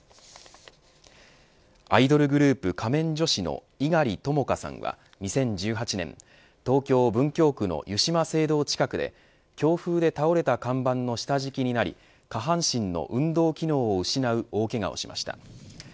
アイドルグループ仮面女子の猪狩ともかさんは２０１８年東京、文京区の湯島聖堂近くで強風で倒れた看板の下敷きになり下半身の運動機能を失う大けがをしました。